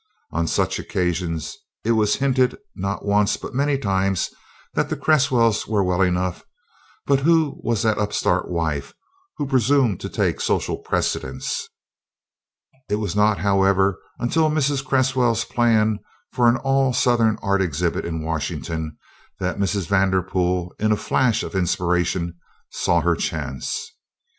On such occasions it was hinted not once, but many times, that the Cresswells were well enough, but who was that upstart wife who presumed to take social precedence? It was not, however, until Mrs. Cresswell's plan for an all Southern art exhibit in Washington that Mrs. Vanderpool, in a flash of inspiration, saw her chance.